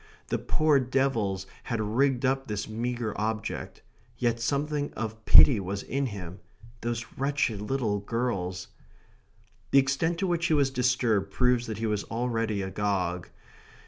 The poor devils had rigged up this meagre object. Yet something of pity was in him. Those wretched little girls The extent to which he was disturbed proves that he was already agog.